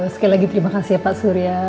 sekali lagi terima kasih ya pak surya